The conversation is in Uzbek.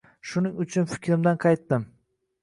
Shuning uchun fikrimdan qaytdim.